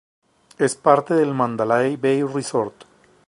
Es parte del Mandalay Bay Resort.